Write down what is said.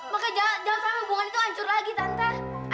maka jangan jangan sama hubungan itu hancur lagi tante